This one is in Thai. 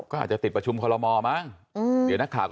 ก็อาจจะติดประชุมคอลโลมอล์มั้ง